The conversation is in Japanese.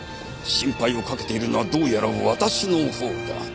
心配をかけているのはどうやら私のほうだ。